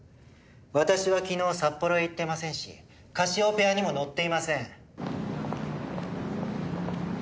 私は昨日札幌へ行ってませんしカシオペアにも乗っていません。